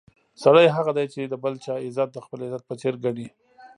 سړی هغه دی چې د بل چا عزت د خپل عزت په څېر ګڼي.